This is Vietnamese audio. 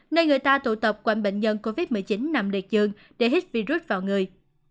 nơi người ta tụ tập quanh bệnh nhân covid một mươi chín nằm đầy chươn để hít virus vào người